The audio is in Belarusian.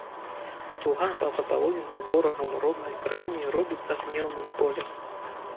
Туга па запалоненай ворагам роднай краіне робіцца гнеўным болем.